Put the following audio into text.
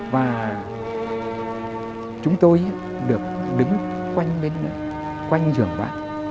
và chúng tôi được đứng quanh giường bác